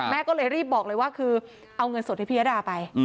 แม่ก็เลยรีบบอกเลยว่าคือเอาเงินสดให้พิยดาไป